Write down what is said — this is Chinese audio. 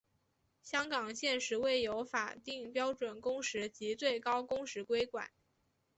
香港现时未有法定标准工时及最高工时规管。